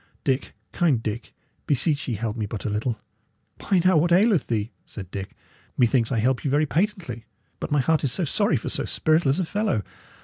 "Dick, kind Dick, beseech ye help me but a little!" "Why, now, what aileth thee?" said Dick. "Methinks I help you very patently. But my heart is sorry for so spiritless a fellow!